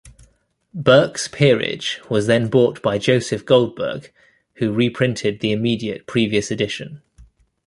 "Burke's Peerage" was then bought by Joseph Goldberg, who reprinted the immediate previous edition.